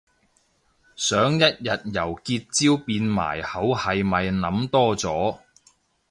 想一日由結焦變埋口係咪諗多咗